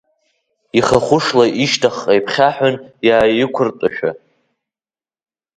Ихахәышла ишьҭахьҟа иԥхьаҳәан, иааиқәртәашәа.